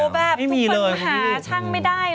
คุณฝันหาช่างไม่ได้เลยนะวันนั้น